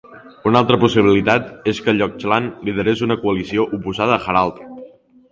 Una altra possibilitat és que Lochlann liderés una coalició oposada a Haraldr.